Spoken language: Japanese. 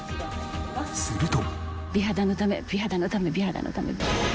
すると。